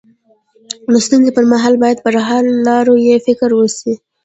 د ستونزي پر مهال باید پر حل لارو يې فکر وسي.